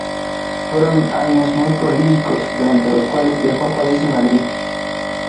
Fueron años muy prolíficos, durante los cuales viajó a París y Madrid.